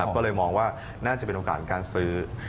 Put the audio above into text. ก็เลยมองว่าน่าจะเป็นโอกาสการซื้อ